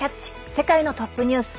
世界のトップニュース」。